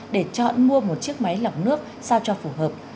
để chọn mua một chiếc máy lọc nước sao cho phù hợp